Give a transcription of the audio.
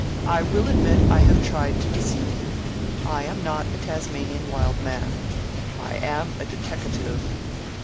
"I will admit I have tried to deceive you: I am not a Tasmanian Wild Man. I am a deteckative!"